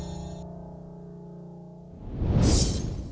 ถูก